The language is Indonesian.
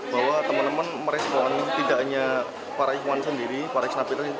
bahwa teman teman merespon tidak hanya para ikhwan sendiri para eksnabil